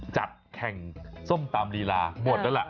จัดแข่งส้มตำลีลาบวชด้วยแหละ